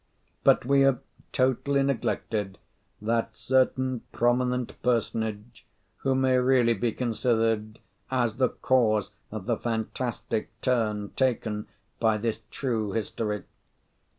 But we have totally neglected that certain prominent personage who may really be considered as the cause of the fantastic turn taken by this true history.